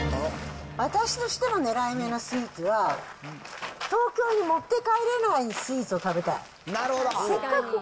私としての狙い目のスイーツは、東京に持って帰れないスイーツを食べたい。